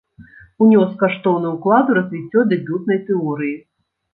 Унёс каштоўны ўклад у развіццё дэбютнай тэорыі.